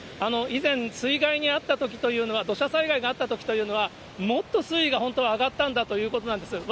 以前、水害に遭ったときというのは、土砂災害があったときというのは、もっと水位が本当は上がったんだということなんだそうです。